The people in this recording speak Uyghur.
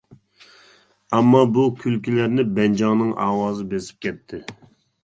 ئەمما بۇ كۈلكىلەرنى بەنجاڭنىڭ ئاۋازى بېسىپ كەتتى.